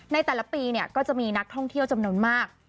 ในแต่ละปีก็จะมีนักท่องเที่ยวจำนวนมาก